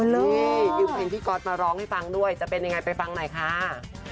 นี่ยืมเพลงพี่ก๊อตมาร้องให้ฟังด้วยจะเป็นยังไงไปฟังหน่อยค่ะ